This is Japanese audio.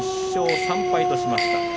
１勝３敗としました。